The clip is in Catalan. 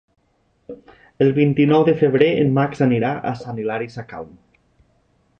El vint-i-nou de febrer en Max anirà a Sant Hilari Sacalm.